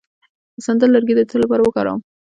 د سندل لرګی د څه لپاره وکاروم؟